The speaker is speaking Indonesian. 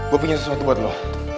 gue punya sesuatu buat lo